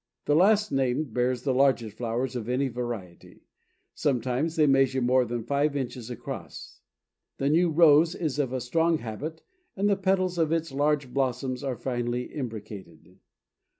The last named bears the largest flowers of any variety; sometimes they measure more than five inches across. The New Rose is of a strong habit, and the petals of its large blossoms are finely imbricated.